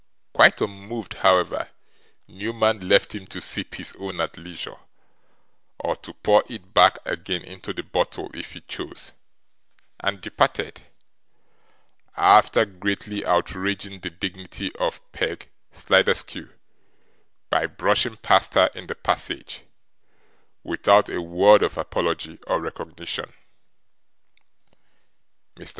Quite unmoved, however, Newman left him to sip his own at leisure, or to pour it back again into the bottle, if he chose, and departed; after greatly outraging the dignity of Peg Sliderskew by brushing past her, in the passage, without a word of apology or recognition.